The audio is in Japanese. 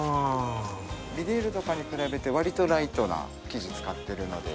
ビニールとかに比べて割とライトな生地使ってるので。